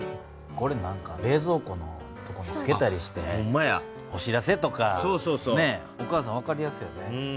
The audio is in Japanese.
これ冷ぞう庫のとこにつけたりしてお知らせとかお母さん分かりやすいよね。